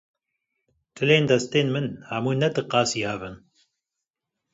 Tilên destên min hemû ne di qasî hevin.